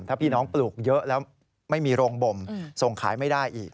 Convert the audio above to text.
ถ้าพี่น้องปลูกเยอะแล้วไม่มีโรงบ่มส่งขายไม่ได้อีก